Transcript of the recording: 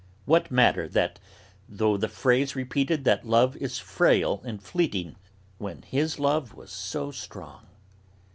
What matter though the phrase repeated that love is frail and fleeting, when his love was so strong!